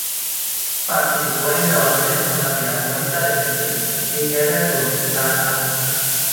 Participó en grabaciones con la Filarmónica de Berlín y Herbert von Karajan.